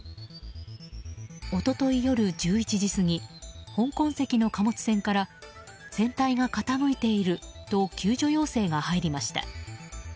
一昨日夜１１時過ぎ香港籍の貨物船から船体が傾いていると救助要請が入りました。